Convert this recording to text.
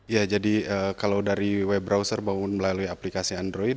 ya jadi kalau dari w browser bangun melalui aplikasi android